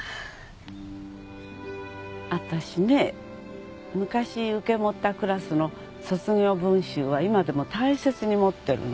私ね昔受け持ったクラスの卒業文集は今でも大切に持ってるの。